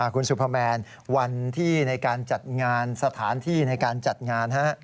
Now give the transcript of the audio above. คุณสุพแมนวันที่ในการจัดงานสถานที่ในการจัดงาน